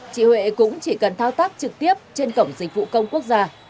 chị huệ cũng chỉ cần thao tác trực tiếp trên cổng dịch vụ công quốc gia